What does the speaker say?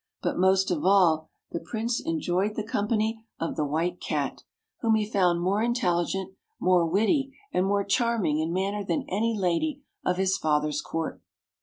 But most of all, the Prince enjoyed the company [ 67 ] FAVORITE FAIRY TALES RETOLD of the White Cat, whom he found more in telligent, more witty, and more charming in manner than any lady of his father's court.